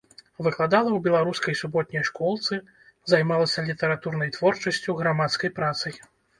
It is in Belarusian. Выкладала ў беларускай суботняй школцы, займалася літаратурнай творчасцю, грамадскай працай.